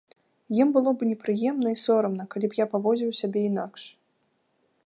Ім было б непрыемна і сорамна, калі б я паводзіў сябе інакш.